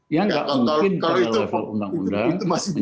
ya enggak mungkin kalau level undang undang